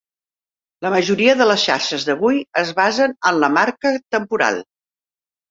La majoria de les xarxes d'avui es basen en la marca temporal.